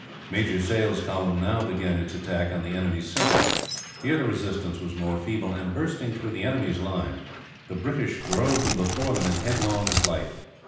Major Sale's column now began its attack on the enemy's centre. Here the resistance was more feeble and, bursting through the enemy's lines, the British drove them before them in headlong flight.